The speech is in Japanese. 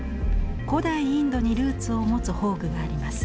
古代インドにルーツを持つ法具があります。